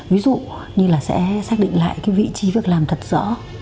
ví dụ như là sẽ xác định lại cái vị trí việc làm thật rõ